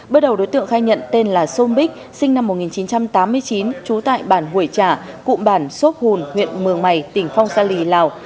bước đầu đối tượng khai nhận tên là sôm bích sinh năm một nghìn chín trăm tám mươi chín trú tại bản hủy trả cụm bản sốt hùn huyện mường mày tỉnh phong sa lì lào